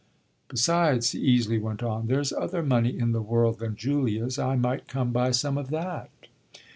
"Besides," he easily went on, "there's other money in the world than Julia's. I might come by some of that."